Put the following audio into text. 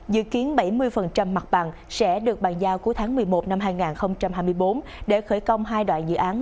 dự kiến bảy mươi mặt bằng sẽ được bàn giao cuối tháng một mươi một năm hai nghìn hai mươi bốn để khởi công hai đoạn dự án